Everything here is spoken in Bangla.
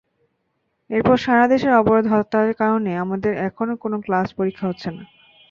এরপর সারা দেশের অবরোধ-হরতালের কারণে আমাদের এখন কোনো ক্লাস পরীক্ষা হচ্ছে না।